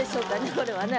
これはね。